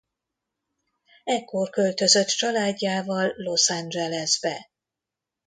Ekkor költözött családjával Los Angelesbe.